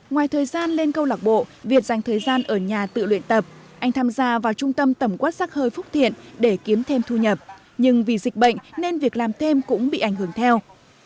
ngoài thời gian lên câu lạc bộ việt dành thời gian ở nhà tự luyện tập anh tham gia vào trung tâm tẩm quát sắc hơi phúc thiện để kiếm thêm thu nhập nhưng vì dịch bệnh nên việc làm thêm cũng bị ảnh hưởng theo